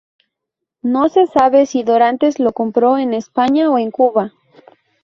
No se sabe si Dorantes lo compró en España o en Cuba.